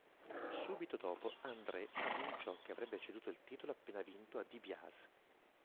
Subito dopo, Andre annunciò che avrebbe ceduto il titolo appena vinto a DiBiase.